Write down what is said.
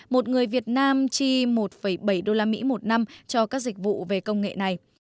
một người việt nam chi một bảy usd một năm cho các dịch vụ về công nghệ này